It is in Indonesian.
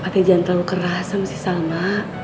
pak teh jangan terlalu keras sama si salma